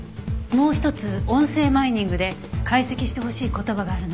もう一つ音声マイニングで解析してほしい言葉があるの。